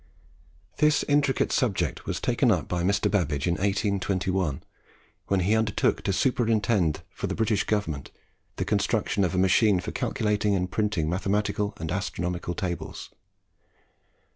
This intricate subject was taken up by Mr. Babbage in 1821, when he undertook to superintend for the British government the construction of a machine for calculating and printing mathematical and astronomical tables.